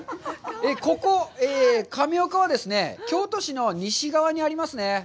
ここ亀岡はですね、京都市の西側にありますね。